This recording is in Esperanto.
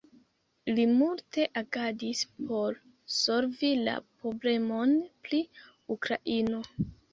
Li multe agadis por solvi la problemon pri Ukraino.